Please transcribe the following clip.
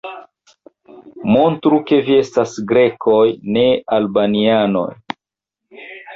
Montru, ke vi estas Grekoj, ne Albanianoj!